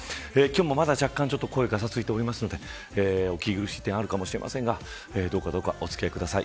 今日もまだ若干声ががさついておりますのでお聞き苦しいところがあるかと思いますが、どうかお付き合いください。